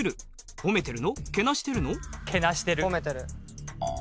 褒めてる。